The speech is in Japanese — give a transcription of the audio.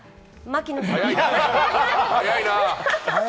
早いな！